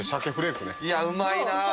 いやうまいな。